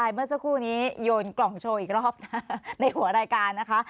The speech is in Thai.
เมื่อสักครู่นี้โยนกล่องโชว์อีกรอบนะในหัวรายการนะคะ